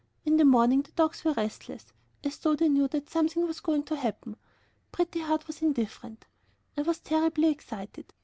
In the morning the dogs were restless as though they knew that something was going to happen. Pretty Heart was indifferent. I was terribly excited.